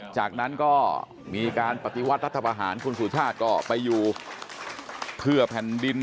จากนั้นก็มีการปฏิวัติรัฐประหารคุณสุชาติก็ไปอยู่เพื่อแผ่นดิน